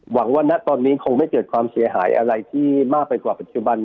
หวังว่าณตอนนี้คงไม่เกิดความเสียหายอะไรที่มากไปกว่าปัจจุบัน